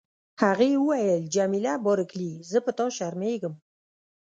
هغې وویل: جميله بارکلي، زه په تا شرمیږم.